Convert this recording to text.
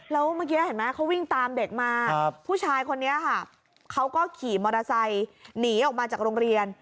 แล้วเมื่อกี้เห็นไหมเขาวิ่งตามเด็กมาผู้ชายคนนี้ค่ะเขาก็ขี่มอเตอร์ไซค์หนีออกมาจากโรงเรียน